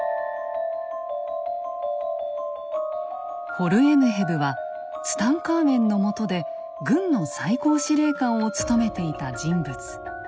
ホルエムヘブはツタンカーメンの下で軍の最高司令官を務めていた人物。